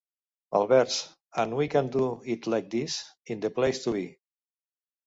El vers "And we can do it like this, in the place to be".